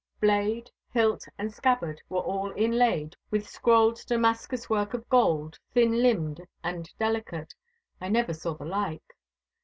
Blade, hilt, and scabbard were all inlaid with scrolled Damascus work of gold, thin limned and delicate—I never saw the like.